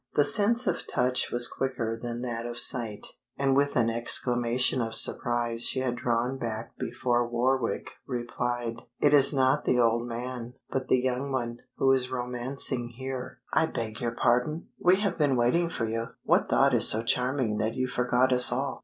The sense of touch was quicker than that of sight, and with an exclamation of surprise she had drawn back before Warwick replied "It is not the old man, but the young one, who is romancing here." "I beg your pardon! We have been waiting for you; what thought is so charming that you forgot us all?"